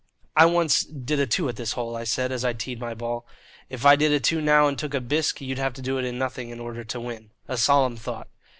"I once did a two at this hole," I said, as I teed my ball. "If I did a two now and took a bisque, you'd have to do it in nothing in order to win. A solemn thought."